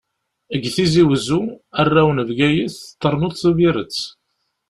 Deg Tizi Wezzu, arraw n Bgayet, ternuḍ Tubiret.